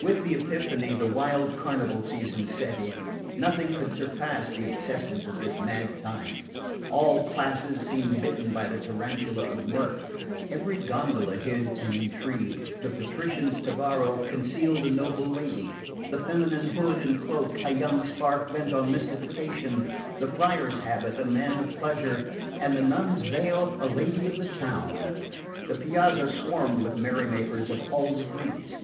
With the Epiphany the wild carnival season set in. Nothing could surpass the excesses of this mad time. All classes seemed bitten by the tarantula of mirth, every gondola hid an intrigue, the patrician's tabarro concealed a noble lady, the feminine hood and cloak a young spark bent on mystification, the friar's habit a man of pleasure and the nun's veil a lady of the town. The Piazza swarmed with merry makers of all degrees.